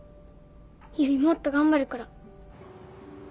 唯もっと頑張るから。